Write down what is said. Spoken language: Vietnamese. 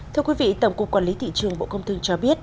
thưa quý vị tổng cục quản lý thị trường bộ công thương cho biết